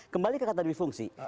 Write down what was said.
kembali ke kata difungsi